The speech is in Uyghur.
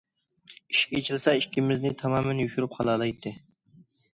ئىشىك ئېچىلسا ئىككىمىزنى تامامەن يوشۇرۇپ قالالايتتى.